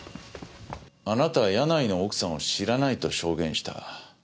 あなた柳井の奥さんを知らないと証言した。